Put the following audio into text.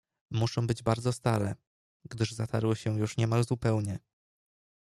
"Muszą być bardzo stare, gdyż zatarły się już niemal zupełnie."